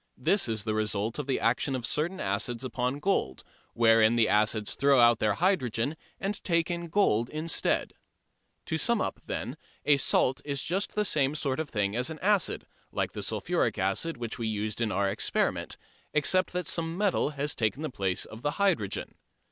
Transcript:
This is the result of the action of certain acids upon gold, wherein the acids throw out their hydrogen and take in gold instead. To sum up, then, a salt is just the same sort of thing as an acid, like the sulphuric acid which we used in our "experiment," except that some metal has taken the place of the hydrogen.